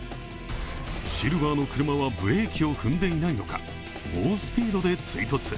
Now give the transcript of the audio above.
シルバーの車はブレーキを踏んでいないのか、猛スピードで追突。